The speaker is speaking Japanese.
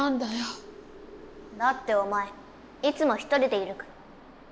だっておまえいつも一人でいるから。